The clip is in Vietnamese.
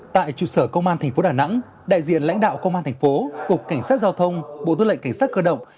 tại trụ sở công an tp đà nẵng đại diện lãnh đạo công an thành phố cục cảnh sát giao thông bộ tư lệnh cảnh sát cơ động